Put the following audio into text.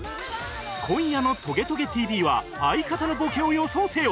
今夜の『トゲトゲ ＴＶ』は相方のボケを予想せよ！